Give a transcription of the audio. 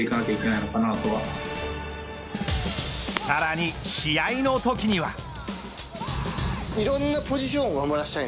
さらに試合のときには。